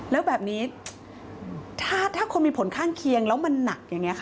แล้วแบบนี้ถ้าคนมีผลข้างเคียงแล้วมันหนักอย่างนี้ค่ะ